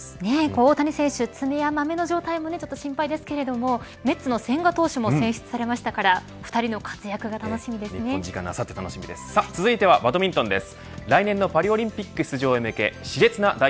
大谷選手、爪やまめの状態も心配ですがメッツの千賀投手も選出されましたから日本時間あさってから続いてはバドミントンです。